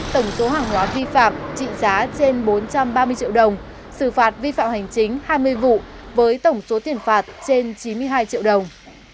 tổng số hàng hóa vi phạm trị giá trên bốn trăm ba mươi triệu đồng xử phạt vi phạm hành chính hai mươi vụ với tổng số tiền phạt trên chín mươi hai triệu đồng